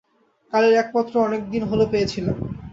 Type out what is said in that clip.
কালীর এক পত্র অনেক দিন হল পেয়েছিলাম।